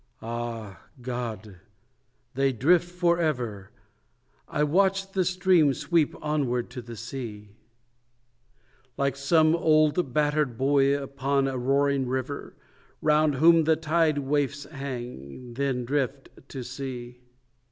Ah, God! they drift for ever. I watch the stream sweep onward to the sea, Like some old battered buoy upon a roaring river, Round whom the tide waifs hang then drift to sea.